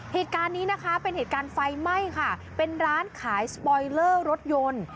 เหตุการณ์นี้นะคะเป็นเหตุการณ์ไฟไหม้ค่ะเป็นร้านขายสปอยเลอร์รถยนต์